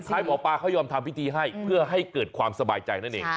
ให้หมอปลาเขายอมทำพิธีให้เพื่อให้เกิดความสบายใจนั่นเอง